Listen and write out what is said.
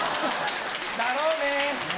だろうね。